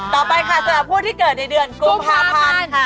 ต่อไปค่ะสำหรับผู้ที่เกิดในเดือนกุมภาพันธ์ค่ะ